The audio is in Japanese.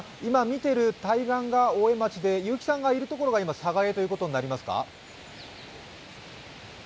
ちょうど今見ている、対岸が大江町で結城さんがいるところが寒河江ということになりますか？